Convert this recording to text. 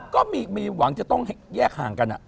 ก็มีหวังจะต้องแยกห่างกัน